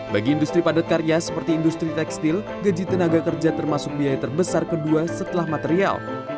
bagi industri padat karya seperti industri tekstil gaji tenaga kerja termasuk biaya terbesar kedua setelah material